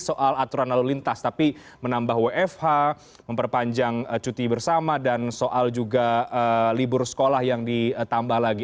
soal aturan lalu lintas tapi menambah wfh memperpanjang cuti bersama dan soal juga libur sekolah yang ditambah lagi